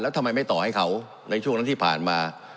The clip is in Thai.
ทำไมไม่ต่อให้เขาในช่วงนั้นที่ผ่านมา